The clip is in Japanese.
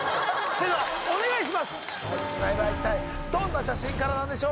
その一枚は一体どんな写真からなんでしょうか。